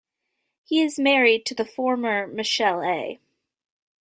He is married to the former Michele A.